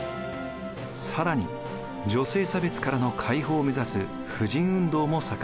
更に女性差別からの解放を目指す婦人運動も盛んになりました。